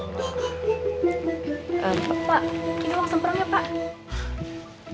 ini uang semprong ya pak